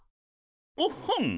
おっほん！